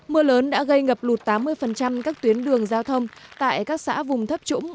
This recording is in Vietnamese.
mưa lớn đã gây ngập lụt tám mươi các tuyến đường giao thông tại các xã vùng thấp trũng